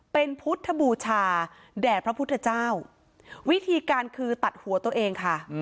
เป็นพุทธบูชาแด่พระพุทธเจ้าวิธีการคือตัดหัวตัวเองค่ะ